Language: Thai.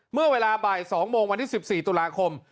เมื่อเวลาบ่าย๒โมงวันที่๑๔ตุลาคม